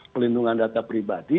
pelindungan data pribadi